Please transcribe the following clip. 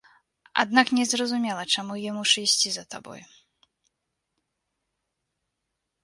Аднак незразумела, чаму я мушу ісці за табой.